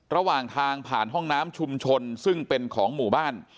ระหว่างทางผ่านห้องน้ำชุมชนซึ่งเป็นของหมู่บ้าน